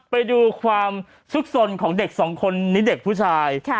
ไปดูความสุขสนของเด็กสองคนนี้เด็กผู้ชาย